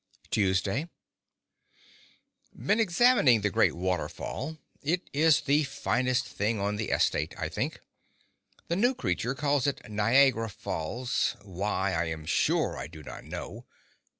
Tuesday Been examining the great waterfall. It is the finest thing on the estate, I think. The new creature calls it Niagara Falls—why, I am sure I do not know.